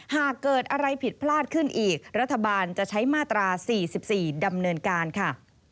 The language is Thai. หากเกิดอะไรผิดพลาดขึ้นอีกรัฐบาลจะใช้มาตรา๔๔ดำเนินการค่ะ